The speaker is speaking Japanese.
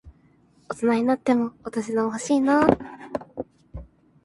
大人になってもお年玉欲しいなぁ。